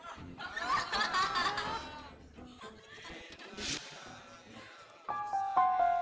umi aku mau ke rumah